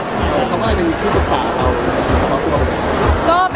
คำว่าอะไรเป็นที่ศึกษาครับ